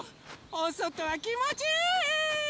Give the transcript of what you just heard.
おそとはきもちいい！